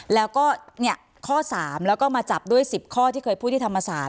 แล้วก็ข้อ๓แล้วก็มาจับด้วย๑๐ข้อที่เคยพูดที่ธรรมศาสต